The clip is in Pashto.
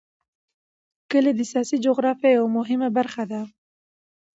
کلي د سیاسي جغرافیه یوه مهمه برخه ده.